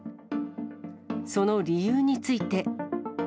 その理由について。